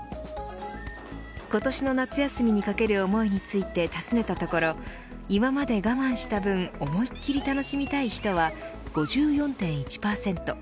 今年の夏休みにかける思いについて尋ねたところ今まで我慢した分思いっきり楽しみたい人は５４．１％